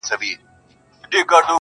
o څارنوال چي د قاضي دې کار ته ګوري,